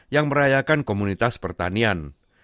yang merayakan komunitas pertanian